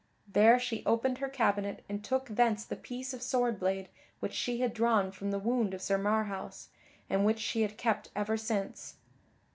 There she opened her cabinet and took thence the piece of sword blade which she had drawn from the wound of Sir Marhaus, and which she had kept ever since.